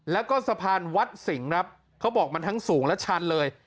แล้วก็สะพานวัดสิงห์ครับเขาบอกมันทั้งสูงและชันเลย